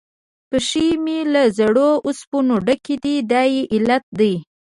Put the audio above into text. پښې مې له زړو اوسپنو ډکې دي، دا یې علت دی.